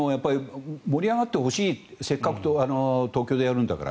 盛り上がってほしいせっかく東京でやるんだから。